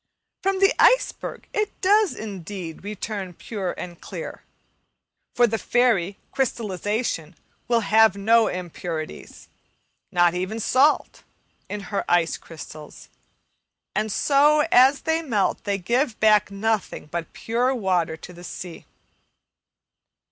From the iceberg it does indeed return pure and clear; for the fairy Crystallization will have no impurities, not even salt, in her ice crystals, and so as they melt they give back nothing but pure water to the sea.